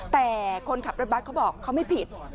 แต่คนขับรถบัตรเขาบอกเขาไม่ผิด